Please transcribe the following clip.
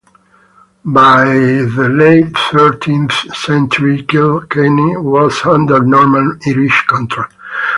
By the late thirteenth century Kilkenny was under Norman-Irish control.